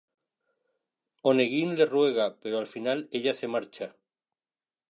Oneguin le ruega, pero al final ella se marcha.